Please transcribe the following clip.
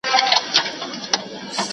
بيله شکه ستا رب عليم او حکيم دی.